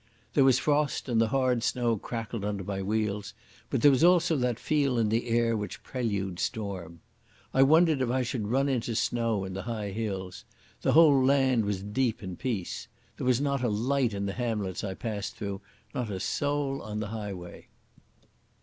There was frost and the hard snow crackled under my wheels, but there was also that feel in the air which preludes storm. I wondered if I should run into snow in the high hills. The whole land was deep in peace. There was not a light in the hamlets I passed through, not a soul on the highway.